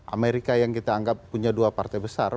amerika yang kita anggap punya dua partai besar